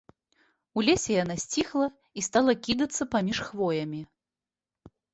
У лесе яна сціхла і стала кідацца паміж хвоямі.